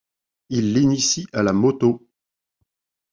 Il l'initie à la moto.